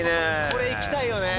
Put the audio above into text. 「これいきたいよね」